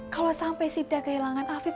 kalau sampai sida kehilangan afif